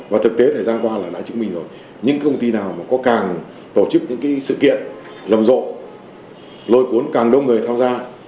và thực tế thời gian qua là đã chứng minh rồi những công ty nào có càng tổ chức những sự kiện rầm rộ lôi cuốn càng đông người tham gia